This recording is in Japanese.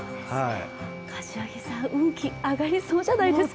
柏木さん、運気上がりそうじゃないですか？